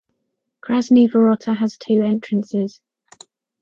Krasnye Vorota has two entrances.